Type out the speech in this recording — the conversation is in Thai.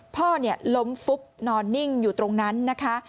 พ่อล้มฟุบนอนนิ่งอยู่ตรงนั้นนะคะ